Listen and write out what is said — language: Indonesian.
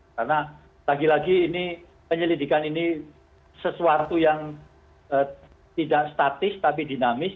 karena lagi lagi ini penyelidikan ini sesuatu yang tidak statis tapi dinamis